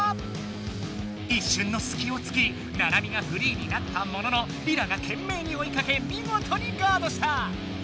いっしゅんのすきをつきナナミがフリーになったもののリラがけんめいにおいかけみごとにガードした。